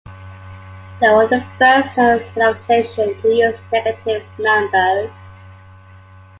They were the first known civilization to use negative numbers.